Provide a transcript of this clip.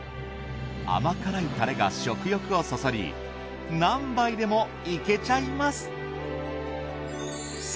甘辛いタレが食欲をそそり何杯でもいけちゃいます。